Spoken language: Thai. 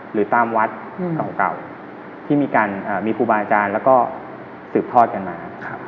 หรือตามวัดเก่าที่มีการมีครูบาอาจารย์แล้วก็สืบทอดกันมา